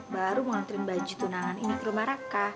baru mau nganterin baju tunangan ini ke rumah raka